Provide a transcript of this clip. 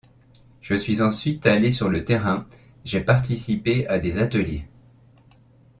Je suis ensuite allée sur le terrain, j'ai participé à des ateliers.